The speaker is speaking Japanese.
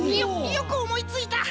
よくおもいついた！